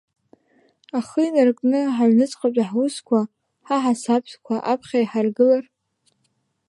Ахы инаркны, ҳаҩныҵҟатәи ҳусқәа, ҳаҳасабтәқәа аԥхьа иҳаргылар.